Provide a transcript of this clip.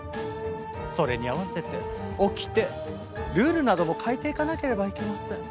それに合わせて掟ルールなども変えていかなければいけません。